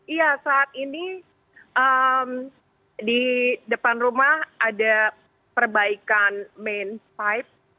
iya saat ini di depan rumah ada perbaikan main vibe